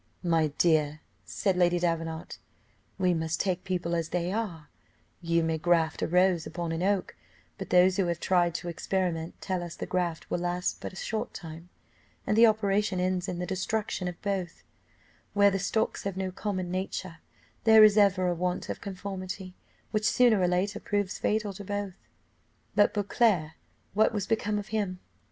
"My dear," said Lady Davenant, "we must take people as they are; you may graft a rose upon an oak, but those who have tried the experiment tell us the graft will last but a short time, and the operation ends in the destruction of both; where the stocks have no common nature, there is ever a want of conformity which sooner or later proves fatal to both." But Beauclerc, what was become of him?